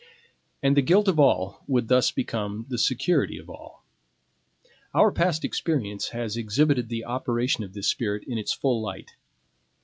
And the guilt of all would thus become the security of all. Our past experience has exhibited the operation of this spirit in its full light.